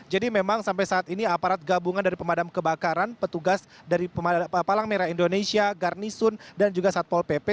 jadi memang sampai saat ini aparat gabungan dari pemadam kebakaran petugas dari palang merah indonesia garnisun dan juga satpol pp